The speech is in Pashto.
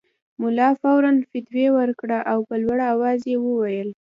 ملا فوراً فتوی ورکړه او په لوړ اواز یې وویل.